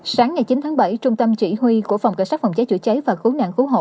sáng ngày chín tháng bảy trung tâm chỉ huy của phòng cảnh sát phòng chế chủ chế và cứu nạn cứu hộ